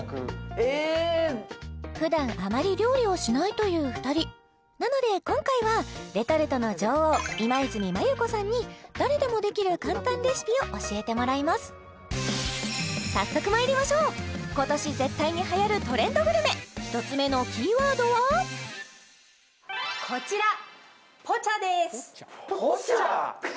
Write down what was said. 普段あまり料理をしないという２人なので今回はレトルトの女王今泉マユ子さんに誰でもできる簡単レシピを教えてもらいます早速まいりましょう今年絶対に流行るトレンドグルメ１つ目のキーワードはこちらポチャです